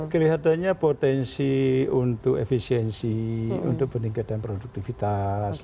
kelihatannya potensi untuk efisiensi untuk peningkatan produktivitas